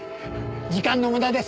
時間の無駄です。